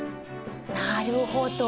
なるほど。